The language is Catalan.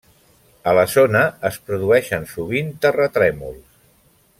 A la zona es produeixen sovint terratrèmols.